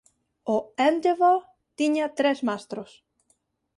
O "Endeavour" tiña tres mastros.